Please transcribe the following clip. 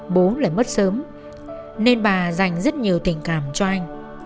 bố lại mất sớm nên bà dành rất nhiều tình cảm cho anh